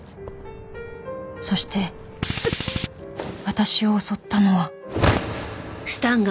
そして私を襲ったのは。